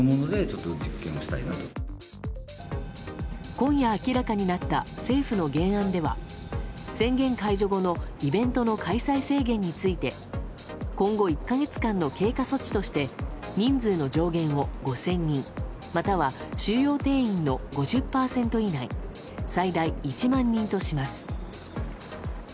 今夜明らかになった政府の原案では宣言解除後のイベントの開催制限について今後１か月間の経過措置として人数の上限を５０００人または収容定員の５０％以内最大１万人とします。